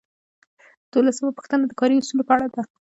دولسمه پوښتنه د کاري اصولو په اړه ده.